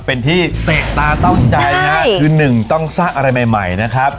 เป็นที่เตะตาเต้าใจนะคือหนึ่งต้องสร้างอะไรใหม่ใหม่นะครับ